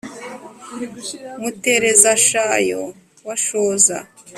Mutereza-shayo wa Shoza